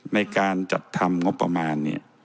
ในการจัดทำงบประมาณเนี่ย